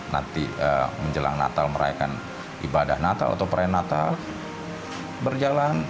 nanti menjelang natal merayakan ibadah natal atau perayaan natal berjalan